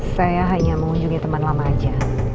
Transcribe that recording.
saya hanya mengunjungi teman lama aja